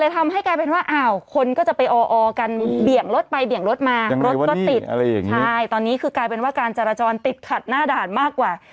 ตอนนี้คือกลายเป็นว่าการจราจรติดขัดหน้าด่านมากกว่า